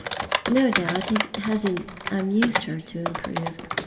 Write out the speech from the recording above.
" No doubt it has amused her to improve.